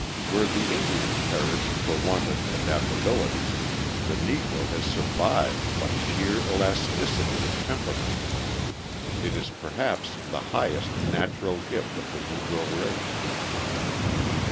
Where the Indian perished for want of adaptability, the Negro has survived by sheer elasticity of temperament: it is perhaps the highest natural gift of the Negro race.